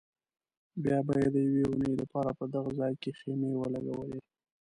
بیا به یې د یوې اونۍ لپاره په دغه ځای کې خیمې ولګولې.